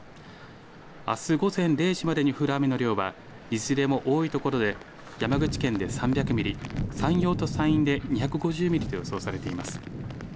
あす午前０時までに降る雨の量はいずれも多い所で、山口県で３００ミリ、山陽と山陰で２５０ミリと予想されています。